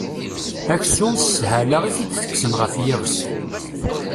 Aksum, s sshala i t-id-tekksen ɣef yiɣes.